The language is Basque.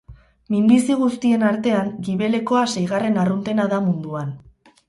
Minbizi guztien artean, gibelekoa seigarren arruntena da munduan.